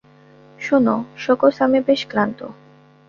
শোনো, সোকস, আমি বেশ ক্লান্ত।